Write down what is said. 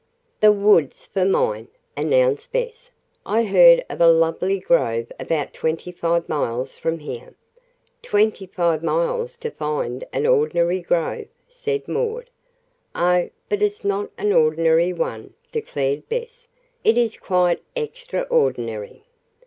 "The woods for mine," announced Bess. "I heard of a lovely grove about twenty five miles from here " "Twenty five miles to find an ordinary grove," said Maud. "Oh, but it's not an ordinary one," declared Bess. "It is quite extraordinary."